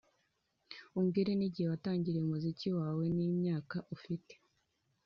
umbwire n’igihe watangiriye umuziki wawe, n’imyaka ufite